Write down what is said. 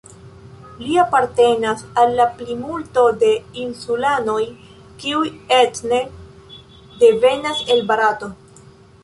Li apartenas al la plimulto de insulanoj, kiuj etne devenas el Barato.